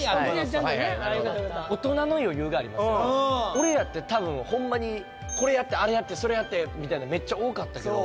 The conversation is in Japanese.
俺らって多分ホンマにこれやってあれやってそれやってみたいなめっちゃ多かったけど。